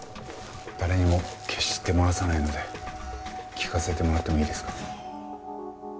誰にも決して漏らさないので聞かせてもらってもいいですか？